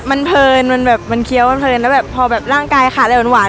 มันเพลินมันแบบมันเคี้ยวมันเพลินแล้วแบบพอแบบร่างกายขาดอะไรหวาน